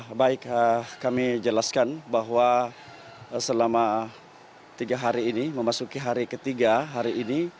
ya baik kami jelaskan bahwa selama tiga hari ini memasuki hari ketiga hari ini